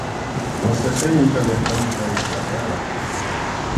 Você tem um telefone da Izabela?